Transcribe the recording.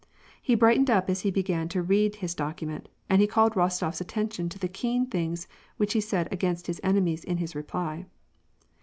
He brightened up as he began to read his document, and he called Rostofs attention to the keen things which he said against his enemies in his reply.